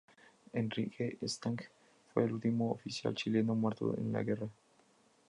Enrique Stange fue el último oficial chileno muerto en la guerra.